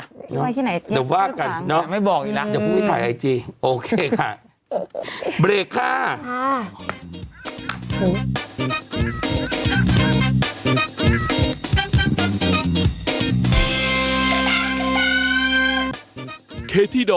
ไหนไงดังบ้างกันไม่บอกอีกละอย่าพูดไอจีค่ะบริกค่ะนะคะ